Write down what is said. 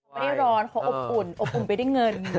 ไม่ได้ร้อนเขาอบอุ่นอบอุ่นไปด้วยเงิน